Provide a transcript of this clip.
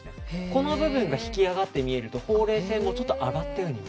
この部分が引き上がって見えるとほうれい線も上がったように